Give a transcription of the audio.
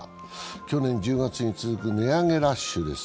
去年１０月に続く値上げラッシュです。